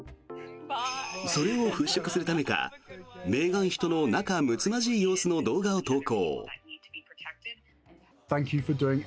それを払しょくするためかメーガン妃との仲睦まじい様子の動画を投稿。